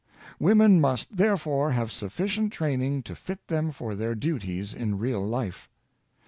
Women, must, therefore, have sufficient training to fit them for their duties in real life.